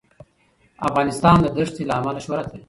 افغانستان د دښتې له امله شهرت لري.